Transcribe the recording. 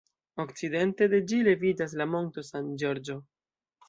Okcidente de ĝi leviĝas la Monto San Giorgio.